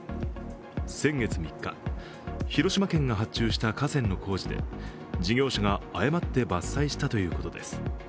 先月３日、広島県が発注した河川の工事で、事業者が誤って伐採したということです。